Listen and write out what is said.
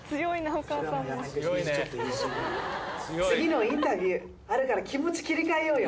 次のインタビューあるから、気持ち切り替えようよ。